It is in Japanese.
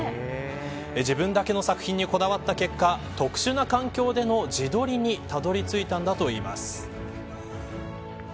自分だけの作品にこだわった結果特殊な環境での自撮りにたどり着いたんだといいます。